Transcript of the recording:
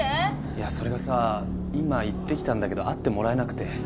いやそれがさ今行ってきたんだけど会ってもらえなくて。